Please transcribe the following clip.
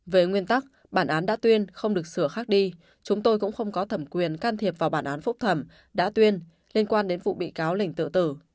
về nguyên tắc bản án đã tuyên không được sửa khác đi chúng tôi cũng không có thẩm quyền can thiệp vào bản án phúc thẩm đã tuyên liên quan đến vụ bị cáo linh tự tử